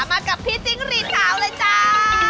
มากับพี่จิ้งรีดขาวเลยจ้า